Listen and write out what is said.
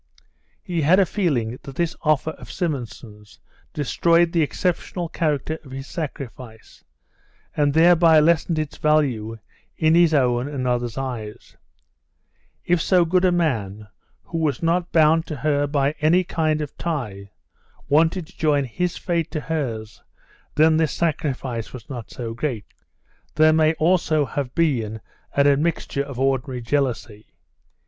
He had a feeling that this offer of Simonson's destroyed the exceptional character of his sacrifice, and thereby lessened its value in his own and others' eyes; if so good a man who was not bound to her by any kind of tie wanted to join his fate to hers, then this sacrifice was not so great. There may have also been an admixture of ordinary jealousy.